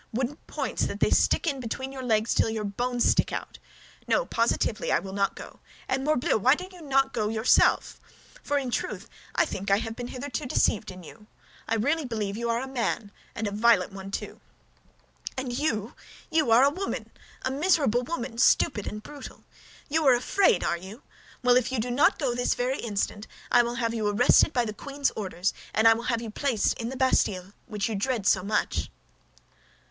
Wooden points that they stick in between your legs till your bones stick out! No, positively I will not go. And, morbleu, why do you not go yourself? For in truth, I think I have hitherto been deceived in you. I really believe you are a man, and a violent one, too." "And you, you are a woman—a miserable woman, stupid and brutal. You are afraid, are you? Well, if you do not go this very instant, I will have you arrested by the queen's orders, and I will have you placed in the Bastille which you dread so much."